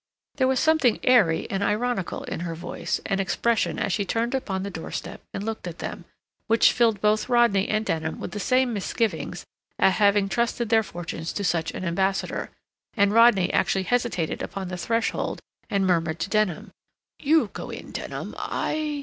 There was something airy and ironical in her voice and expression as she turned upon the doorstep and looked at them, which filled both Rodney and Denham with the same misgivings at having trusted their fortunes to such an ambassador; and Rodney actually hesitated upon the threshold and murmured to Denham: "You go in, Denham. I..."